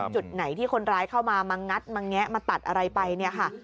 จุดไหนที่คนร้ายเข้ามามางัดมาแงะมาตัดอะไรไปเนี่ยค่ะ